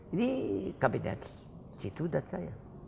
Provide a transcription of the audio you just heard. ini kabinet situ dan saya